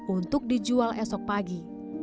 untuk dijual esok pagi